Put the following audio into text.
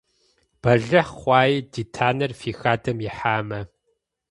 Бэлыхь хъуаи ди танэр фи хадэм ихьамэ!